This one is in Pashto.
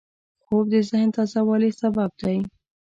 خوب د ذهن تازه والي سبب دی